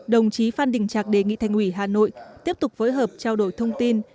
đồng chí phan đình trạc đề nghị thành ủy hà nội tiếp tục phối hợp trao đổi thông tin